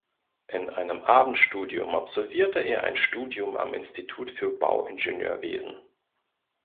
In einem Abendstudium absolvierte er ein Studium am Institut für Bauingenieurwesen.